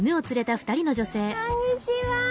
こんにちは。